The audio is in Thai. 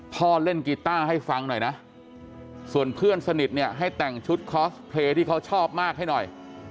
พ่อเล่นกีต้าให้ฟังหน่อยนะส่วนเพื่อนสนิทเนี่ยให้แต่งชุดคอสเพลย์ที่เขาชอบมากให้หน่อย